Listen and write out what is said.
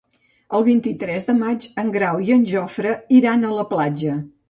El vint-i-tres de maig en Grau i en Jofre iran a la platja.